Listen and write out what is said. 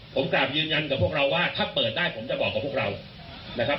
ผมกลับยืนยันกับพวกเราว่าถ้าเปิดได้ผมจะบอกกับพวกเรานะครับ